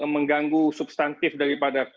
mengganggu substantif daripada